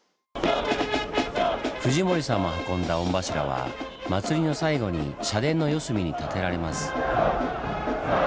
藤森さんも運んだ御柱は祭りの最後に社殿の四隅に立てられます。